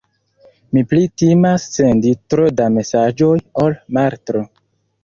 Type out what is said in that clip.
Mi pli timas sendi tro da mesaĝoj ol maltro.